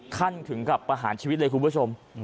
ถึงกับประหารชีวิตเลยคุณผู้ชม